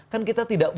kan kita tidak